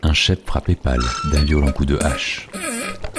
Un chef frappe Epalle d'un violent coup de hache...